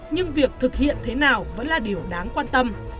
nhưng việc thực hiện thế nào vẫn là điều đáng quan tâm